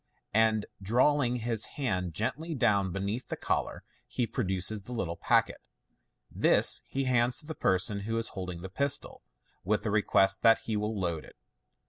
and drawing his hand gently down beneath the collar, he produces the little packet. This he hands to the person who is holding the pistol, with a request that he will load it.